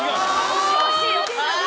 惜しい。